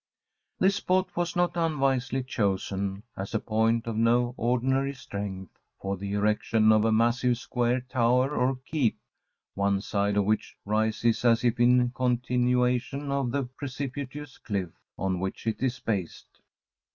This spot was not unwisely chosen, as a point of no ordinary strength, for the erection of a massive square tower or keep, one side of which rises as if in continuation of the precipitous cliff on which it is based.